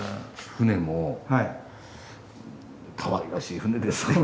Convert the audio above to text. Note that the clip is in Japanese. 槽もかわいらしい槽ですね。